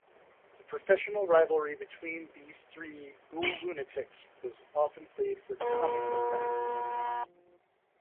The professional rivalry between these three GhoulLunatics was often played for comic effect.